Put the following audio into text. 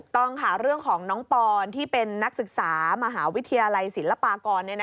ต้องค่ะเรื่องของน้องปอนที่เป็นนักศึกษามหาวิทยาลัยศิลปากร